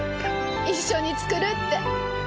一緒に作るって。